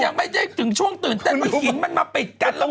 ยังไม่ถึงช่วงเตือนเต้นว่าหินมาปิดกันนะ